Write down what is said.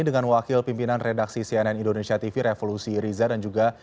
dengan wakil pimpinan redaksi cnn indonesia tv revolusi riza dan juga